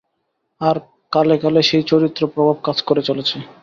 আর কালে কালে সেই চরিত্র-প্রভাব কাজ করে চলেছে।